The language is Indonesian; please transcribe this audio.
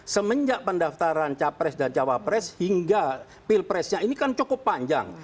semenjak pendaftaran capres dan cawapres hingga pilpresnya ini kan cukup panjang